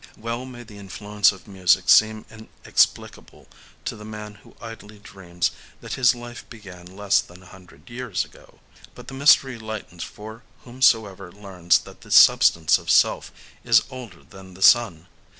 Well may the influence of music seem inexplicable to the man who idly dreams that his life began less than a hundred years ago! But the mystery lightens for whomsoever learns that the substance of Self is older than the sun.